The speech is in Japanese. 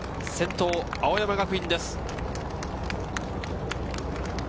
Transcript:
先頭・青山学院です。